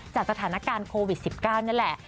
จากสถานการณ์โควิด๑๙นี่แหละ